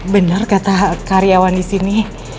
bener kata karyawan disini